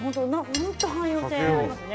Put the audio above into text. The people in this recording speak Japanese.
本当に汎用性がありますね。